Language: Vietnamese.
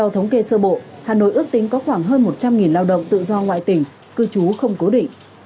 theo thống kê sơ bộ hà nội ước tính có khoảng hơn một trăm linh lao động tự do ngoại tỉnh cư trú không cố định